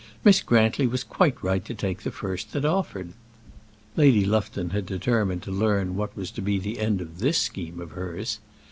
Miss Grantly was quite right to take the first that offered." Lady Lufton had determined to learn what was to be the end of this scheme of hers.